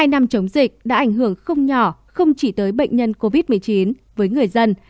một mươi năm chống dịch đã ảnh hưởng không nhỏ không chỉ tới bệnh nhân covid một mươi chín với người dân